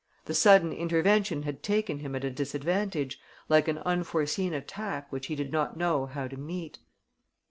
The sudden intervention had taken him at a disadvantage, like an unforseen attack which he did not know how to meet.